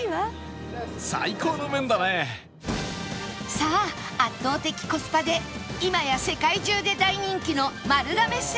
さあ圧倒的コスパで今や世界中で大人気の丸亀製麺